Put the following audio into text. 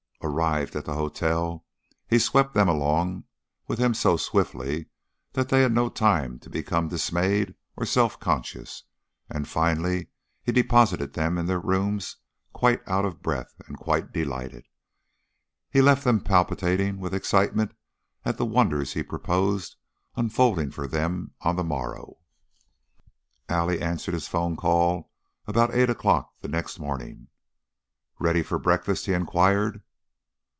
Arrived at the hotel, he swept them along with him so swiftly that they had no time in which to become dismayed or self conscious, and finally he deposited them in their rooms quite out of breath and quite delighted. He left them palpitating with excitement at the wonders he proposed unfolding for them on the morrow. Allie answered his phone call about eight o'clock the next morning. "Ready for breakfast?" he inquired.